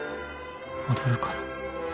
踊るから。